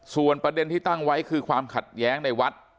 ส่วนประเด็นที่ตั้งไว้คือความขัดแย้งในวัด